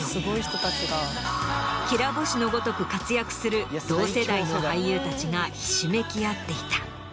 きら星のごとく活躍する同世代の俳優たちがひしめき合っていた。